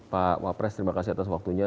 pak wapres terima kasih atas waktunya